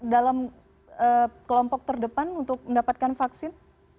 dalam kelompok terdepan untuk mendapatkan vaksin